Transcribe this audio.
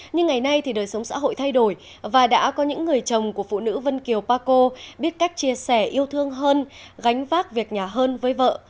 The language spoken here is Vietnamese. nhưng ngày nay thì đời sống xã hội thay đổi và đã có những người chồng của phụ nữ vân kiều paco biết cách chia sẻ yêu thương hơn gánh vác việc nhà hơn với vợ